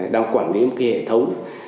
đang quản lý một cái hệ thống